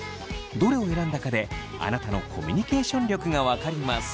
どれを選んだかであなたのコミュニケーション力が分かります。